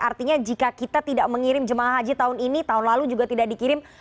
artinya jika kita tidak mengirim jemaah haji tahun ini tahun lalu juga tidak dikirim